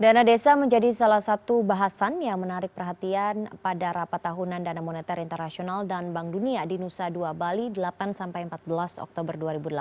dana desa menjadi salah satu bahasan yang menarik perhatian pada rapat tahunan dana moneter internasional dan bank dunia di nusa dua bali delapan empat belas oktober dua ribu delapan belas